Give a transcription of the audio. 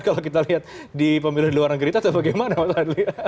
kalau kita lihat di pemilu di luar negeri itu bagaimana mas wadli